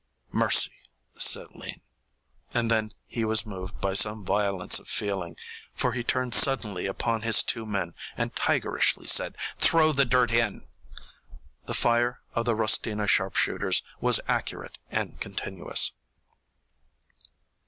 "Mercy," said Lean. And then he was moved by some violence of feeling, for he turned suddenly upon his two men and tigerishly said, "Throw the dirt in." The fire of the Rostina sharpshooters was accurate and continuous.